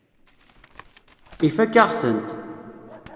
Ifakk-aɣ-tent.